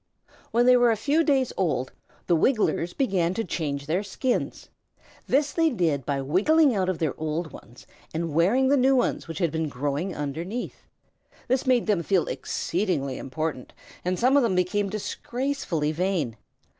When they were a few days old the Wigglers began to change their skins. This they did by wiggling out of their old ones and wearing the new ones which had been growing underneath. This made them feel exceedingly important, and some of them became disgracefully vain.